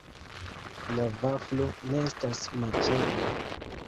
La vaflo ne estas maĉebla.